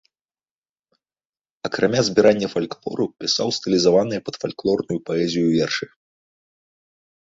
Акрамя збірання фальклору пісаў стылізаваныя пад фальклорную паэзію вершы.